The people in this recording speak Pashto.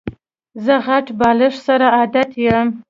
زه غټ بالښت سره عادت یم.